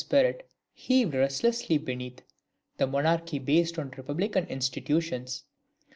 The old Titan spirit heaved restlessly beneath "the monarchy based on republican institutions."